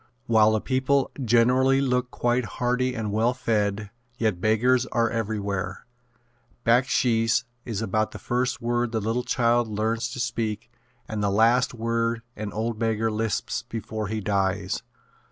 While the people generally look quite hearty and well fed, yet beggars are everywhere. "Backsheesh" is about the first word the little child learns to speak and the last word an old beggar lisps before he dies.